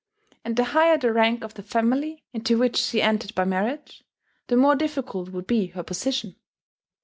And the higher the rank of the family into which she entered by marriage, the more difficult would be her position.